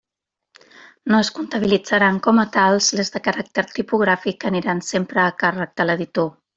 No es comptabilitzaran com a tals les de caràcter tipogràfic que aniran sempre a càrrec de l'editor.